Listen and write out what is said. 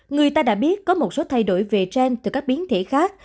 người ta đã biết có một số thay đổi về trend từ các biến thể khác